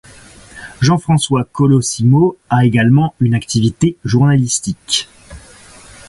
Jean-François Colosimo a également une activité journalistique.